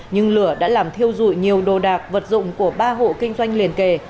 nhưng lửa đã làm thiêu dụi nhiều đồ đạc vật dụng của ba hộ kinh doanh liền kề